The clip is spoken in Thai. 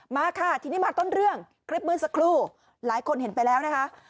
มาค่ะทีนี้มาต้นเรื่องคลิปเมื่อสักครู่หลายคนเห็นไปแล้วนะคะ